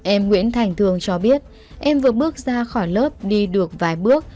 em nguyễn thành thường cho biết em vừa bước ra khỏi lớp đi được vài bước